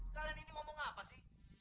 gua gak mau mati